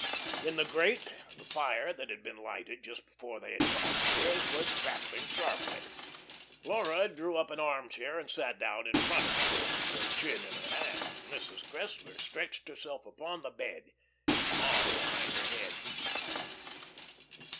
In the grate, the fire that had been lighted just before they had come upstairs was crackling sharply. Laura drew up an armchair and sat down in front of it, her chin in her hand. Mrs. Cressler stretched herself upon the bed, an arm behind her head.